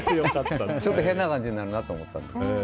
ちょっと変な感じになるなと思ったので。